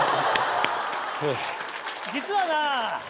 実はな